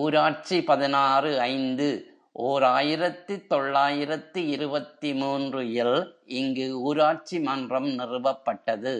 ஊராட்சி பதினாறு ஐந்து ஓர் ஆயிரத்து தொள்ளாயிரத்து இருபத்து மூன்று இல் இங்கு ஊராட்சி மன்றம் நிறுவப்பட்டது.